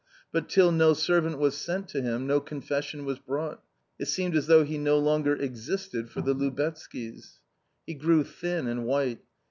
But till no servant was sent to him, no confession was brought ; it seemed as though he no longer existed for the Lubetzkys. He grew thin and white.